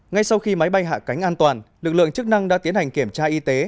ngay sau khi máy bay hạ cánh an toàn lực lượng chức năng đã tiến hành kiểm tra y tế